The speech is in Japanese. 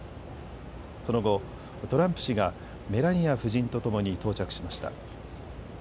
その後、トランプ氏がメラニア夫人とともに到着しました。